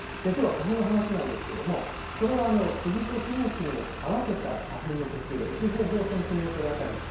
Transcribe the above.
きょうは花粉の話なんですけれども、これはスギとヒノキの合わせた花粉の個数が１平方センチメートルあたり